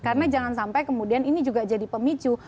karena jangan sampai kemudian ini juga jadi pemicu